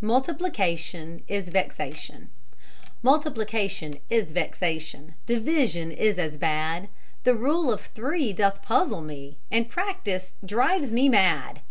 MULTIPLICATION IS VEXATION Multiplication is vexation, Division is as bad; The Rule of Three doth puzzle me, And Practice drives me mad.